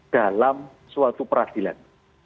dalam suatu peradilan